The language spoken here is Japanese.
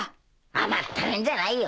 甘ったれんじゃないよ